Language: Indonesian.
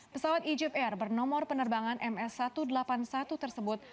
pesawat egyp air bernomor penerbangan ms satu ratus delapan puluh satu tersebut